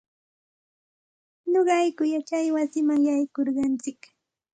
Nuqayku yachay wasiman yaykurquntsik.